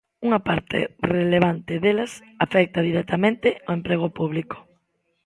Unha parte relevante delas afecta directamente ao emprego público.